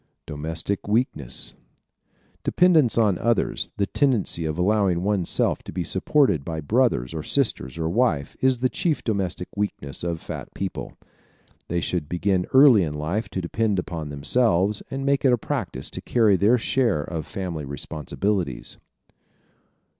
Domestic Weakness ¶ Dependence on others, the tendency of allowing one's self to be supported by brothers or sisters or wife, is the chief domestic weakness of fat people. They should begin early in life to depend upon themselves and make it a practice to carry their share of family responsibilities.